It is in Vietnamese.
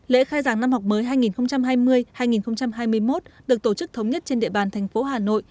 lễ khai giảng năm học mới hai nghìn hai mươi hai nghìn hai mươi một được tổ chức thống nhất trên địa bàn thành phố hà nội